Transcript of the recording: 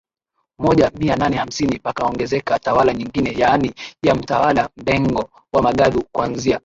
moja mia nane hamsini pakaongezeka tawala nyingine yaani ya Mtawala Mdengo wa Magadu kuanzia